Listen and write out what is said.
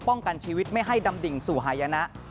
กันชีวิตไม่ให้ดำดิ่งสู่หายนะ